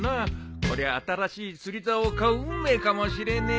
こりゃ新しい釣りざおを買う運命かもしれねえなあ。